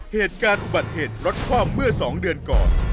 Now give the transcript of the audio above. เหตุการณ์อุบัติเหตุรถคว่ำเมื่อ๒เดือนก่อน